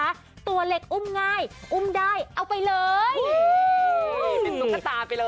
เป็นสุขตาไปเลยเนาะ